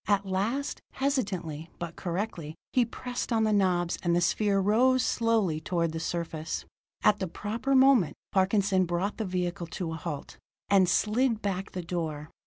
At last, hesitantly, but correctly, he pressed on the knobs, and the sphere rose slowly toward the surface. At the proper moment, Parkinson, brought the vehicle to a halt, and slid back the door.